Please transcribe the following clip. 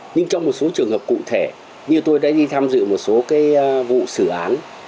nhưng trong một số trường hợp cụ thể như tôi đã đi tham dự một số vụ xử án